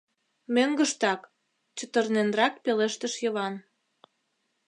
— Мӧҥгыштак, — чытырненрак пелештыш Йыван.